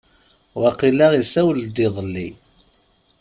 Waqila iswael-d ielli.